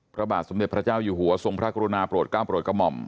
พระบาทสมเด็จพระเจ้าอยู่หัวทรงพระกรุณาโปรดก้าวโปรดกระหม่อม